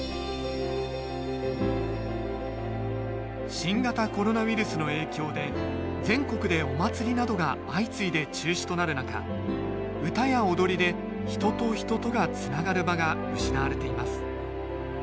新型コロナウイルスの影響で全国でお祭りなどが相次いで中止となる中唄や踊りで人と人とがつながる場が失われています